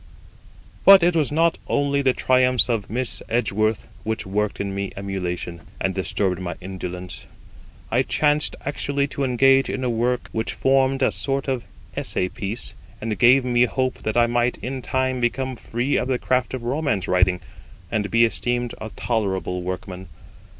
But it was not only the triumphs of Miss Edgeworth which worked in me emulation, and disturbed my indolence. I chanced actually to engage in a work which formed a sort of essay piece, and gave me hope that I might in time become free of the craft of romance writing, and be esteemed a tolerable workman.